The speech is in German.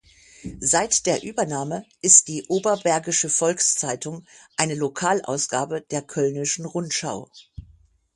Seit der Übernahme ist die Oberbergische Volkszeitung eine Lokalausgabe der Kölnischen Rundschau.